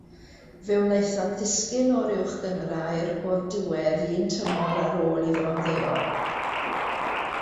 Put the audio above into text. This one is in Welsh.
Fe wnaethant ddisgyn o'r Uwch Gynghrair o'r diwedd un tymor ar ôl iddo ymddeol.